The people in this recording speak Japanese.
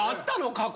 過去。